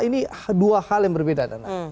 ini dua hal yang berbeda